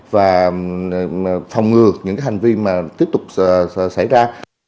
là phòng ngừa những cái hành vi mà tiếp tục xảy ra